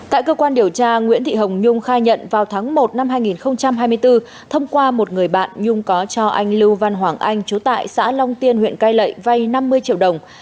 tại cơ quan điều tra nguyễn thị hồng nhung khai nhận vào tháng một năm hai nghìn hai mươi bốn thông qua một người bạn nhung có cho anh lưu văn hoàng anh chú tại xã long tiên huyện cai lệ vay năm mươi triệu đồng